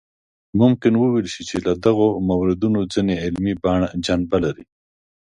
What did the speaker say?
ممکن وویل شي چې له دغو موردونو ځینې علمي جنبه لري.